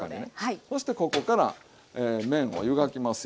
そしてここから麺を湯がきますよ。